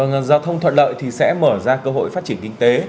giao thông thuận lợi thì sẽ mở ra cơ hội phát triển kinh tế